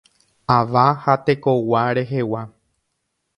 Ava ha tekogua rehegua.